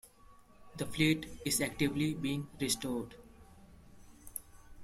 The fleet is actively being restored.